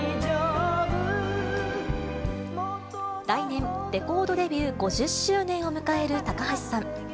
来年、レコードデビュー５０周年を迎える高橋さん。